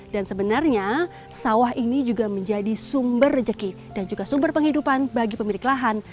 dan sebenarnya sawah ini juga menjadi sumber rejeki dan juga sumber penghidupan bagi pemilik lahan